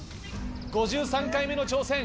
５３回目の挑戦。